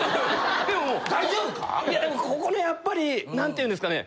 でもいやでもここのやっぱり何ていうんですかね。